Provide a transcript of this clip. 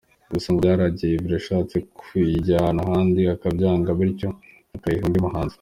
Gusa ngo byarangiye Yverry ashatse kuyijyana ahandi akabyanga bityo akayiha undi muhanzi.